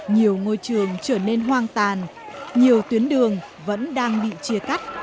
nhiều ngôi trường trở nên hoang tàn nhiều tuyến đường vẫn đang bị chia cắt